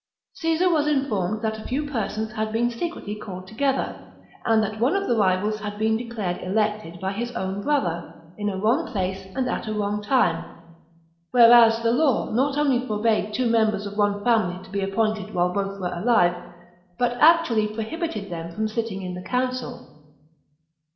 Caesar was informed that a few persons had been secretly called together, and that one of the rivals had vii OF VERCINGETORIX 231 been declared elected by his own brother, in a 52 b.c. wrong place and at a wrong time ; whereas the law not only forbade two members of one family to be appointed while both were alive, but actually prohibited them from sitting in the council.